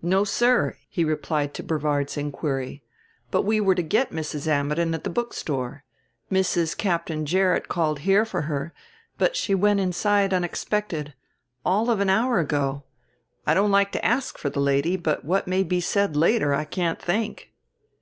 "No, sir," he replied to Brevard's inquiry. "But we were to get Mrs. Ammidon at the bookstore. Mrs. Captain Gerrit called here for her, but she went inside unexpected. All of an hour ago. I don't like to ask for the lady, but what may be said later I can't think."